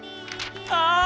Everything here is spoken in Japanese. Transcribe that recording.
ああ！